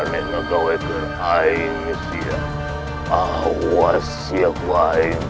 kenapa kamu diam saja